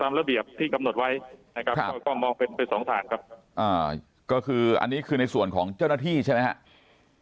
ตามระเบียบที่กำหนดไว้ก็มองเป็นสองฐานครับอันนี้คือในส่วนของเจ้าหน้าที่ใช่ไหมครับ